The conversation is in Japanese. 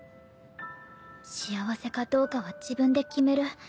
幸せかどうかは自分で決める。